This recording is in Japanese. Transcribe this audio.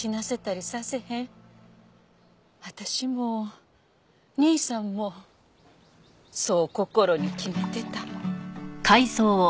私も兄さんもそう心に決めてた。